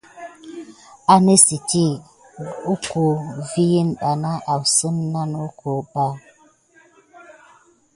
Anesiti goka vikine bana asine na kogan ba.